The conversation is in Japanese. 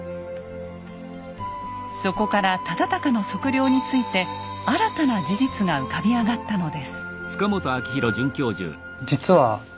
そこから忠敬の測量について新たな事実が浮かび上がったのです。